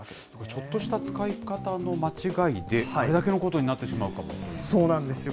ちょっとした使い方の間違いで、これだけのことになってしまうかもということなんですね。